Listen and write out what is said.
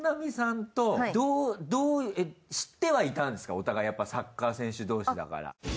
お互いやっぱりサッカー選手同士だから。